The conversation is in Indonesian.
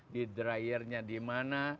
di dryernya di mana